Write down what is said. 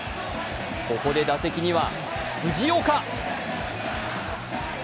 ここで打席には、藤岡。